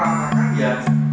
cara melakukan ya